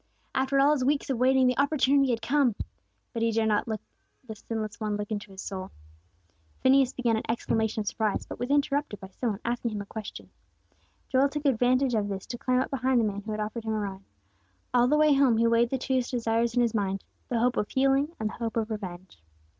After all his weeks of waiting the opportunity had come; but he dared not let the Sinless One look into his soul. Phineas began an exclamation of surprise, but was interrupted by some one asking him a question. Joel took advantage of this to climb up behind the man who had offered him a ride. All the way home he weighed the two desires in his mind, the hope of healing, and the hope of revenge.